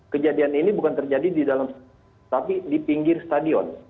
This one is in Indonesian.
kejadian ini bukan terjadi di dalam stadion tapi di pinggir stadion